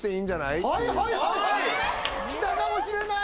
きたかもしれない！